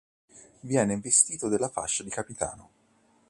Viene investito della fascia di capitano.